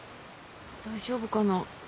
大丈夫かな。